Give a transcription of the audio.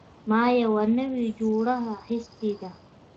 ما یوه نوې جوړه اخیستې ده